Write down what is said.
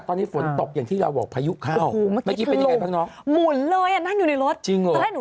ตัวเราจัดชีวิตได้นะจริง